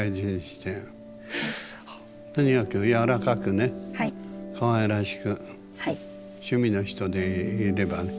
とにかく柔らかくねかわいらしく趣味の人でいればね。